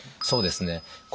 そうですね。